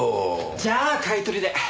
じゃあ買い取りで。